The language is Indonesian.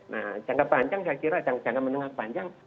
nah jangka panjang saya kira jangka menengah panjang